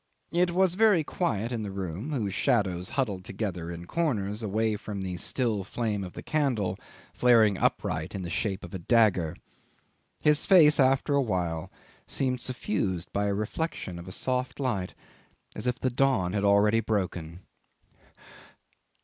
It was very quiet in the room, whose shadows huddled together in corners, away from the still flame of the candle flaring upright in the shape of a dagger; his face after a while seemed suffused by a reflection of a soft light as if the dawn had broken already.